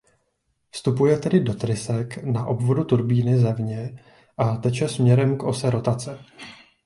Vstupuje tedy do trysek na obvodu turbíny zevně a teče směrem k ose rotace.